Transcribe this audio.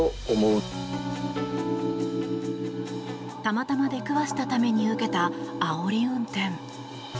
たまたま出くわしたために受けた、あおり運転。